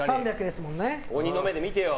鬼の目で見てよ。